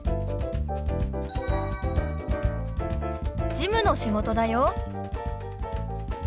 事務の仕事だよ。